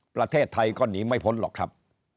ประเทศไทยก็หนีไม่พ้นหรอกครับ